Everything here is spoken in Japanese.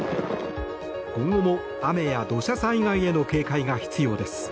今後も雨や土砂災害への警戒が必要です。